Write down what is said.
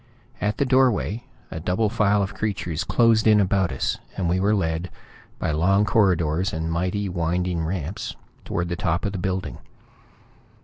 At the doorway, a double file of creatures closed in about us, and we were led, by long corridors and mighty winding ramps, toward the top of the building.